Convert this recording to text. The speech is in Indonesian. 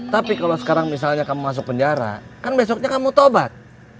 tapi kalau sekarang misalnya kamu masuk penjara kan besoknya kamu tobat